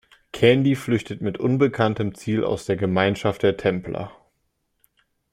Candy flüchtet mit unbekanntem Ziel aus der Gemeinschaft der Templer.